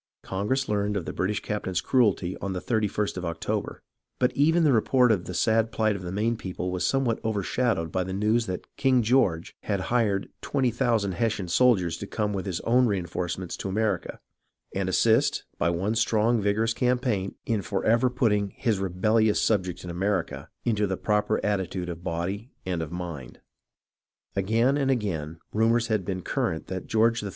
Congress learned of the British captain's cruelty, on the 31st of October, but even the report of the sad phght of the Maine people was somewhat overshadowed by the news that King George had "hired" twenty thousand Hessian soldiers to come with his own reenforcements to America, and assist, by one strong vigorous campaign, in forever put ting his rebellious subjects in America " into the proper attitude of body and of mind. Again and again rumours had been current that George III.